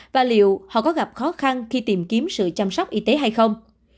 và liệu họ có gặp khó khăn khi tìm kiếm sự chăm sóc y tế hay không